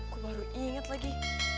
gue baru inget lagi